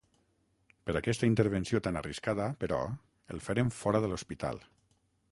Per aquesta intervenció tan arriscada, però, el feren fora de l'hospital.